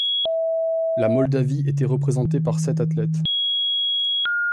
La Moldavie était représentée par sept athlètes.